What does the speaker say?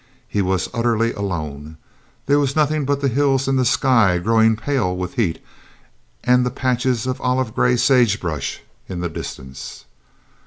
He was utterly alone. There was nothing but the hills and a sky growing pale with heat and the patches of olive gray sagebrush in the distance.